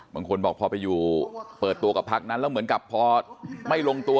บางคนบอกพอไปอยู่เปิดตัวกับพักนั้นแล้วเหมือนกับพอไม่ลงตัว